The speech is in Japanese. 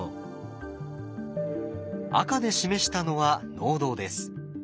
赤で示したのは農道です。